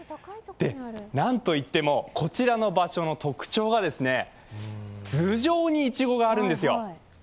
なんといっても、こちらの場所の特徴が頭上にいちごがあるんですよ。